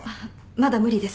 まだ無理です。